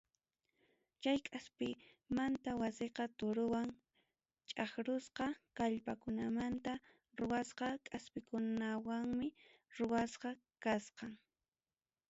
Chay kaspimanta wasiqa torowan chaqrusqa kallmakunamanta ruwasqa kaspikunawanmi ruwasqa kachkan.